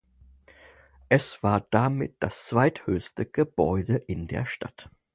Es war damit das zweithöchste Gebäude in der Stadt.